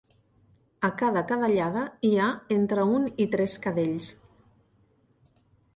A cada cadellada hi ha entre un i tres cadells.